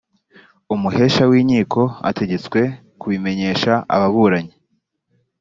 umuhesha w’inkiko ategetswe kubimenyesha ababuranyi